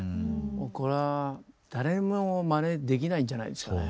もうこれは誰にもまねできないんじゃないですかね。